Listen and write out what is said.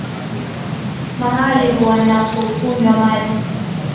mahali wanapokunywa maji